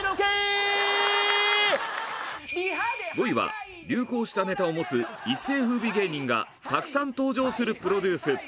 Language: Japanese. ５位は流行したネタを持つ一世風靡芸人がたくさん登場するプロデュース。